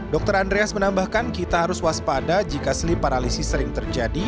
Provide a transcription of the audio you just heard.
dr andreas menambahkan kita harus waspada jika sleep paralysis sering terjadi